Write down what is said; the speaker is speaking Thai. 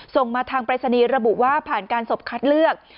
ส่งมาทางปรายศนีย์ระบุว่าผ่านการศพคัดเลือก